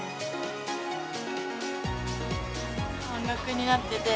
半額になってて。